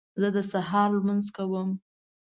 زه د سهار لمونځ کوم